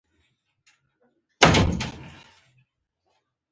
زه د ډرامې هنري کار ستایم.